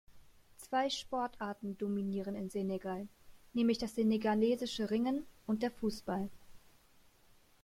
Zwei Sportarten dominieren in Senegal, nämlich das senegalesische Ringen und der Fußball.